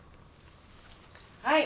はい。